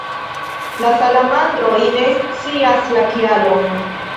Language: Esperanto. La salamandroj ne scias la kialon.